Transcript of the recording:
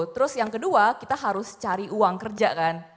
terus yang kedua kita harus cari uang kerja kan